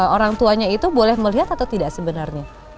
orang tuanya itu boleh melihat atau tidak sebenarnya